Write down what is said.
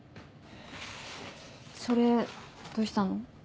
それどうしたの？